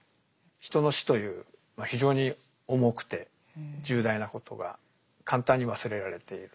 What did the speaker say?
人の死という非常に重くて重大なことが簡単に忘れられている。